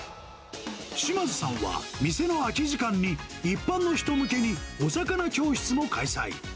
まづさんは、店の空き時間に一般の人向けにお魚教室も開催。